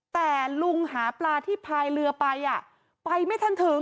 แต่ลุงหาปลาที่พายเรือไปไปไม่ทันถึง